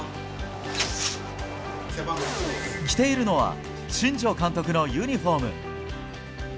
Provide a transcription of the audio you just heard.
着ているのは新庄監督のユニホーム。